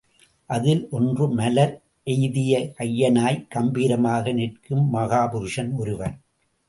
அதில் ஒன்று மலர் எந்திய கையனாய் கம்பீரமாக நிற்கும் மகாபுருஷன் ஒருவன்.